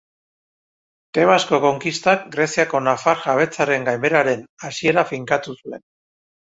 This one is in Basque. Tebasko konkistak Greziako nafar jabetzaren gainbeheraren hasiera finkatu zuen.